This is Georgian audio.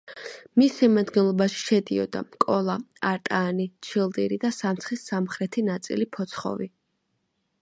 მის შემადგენლობაში შედიოდა: კოლა, არტაანი, ჩილდირი და სამცხის სამხრეთი ნაწილი ფოცხოვი.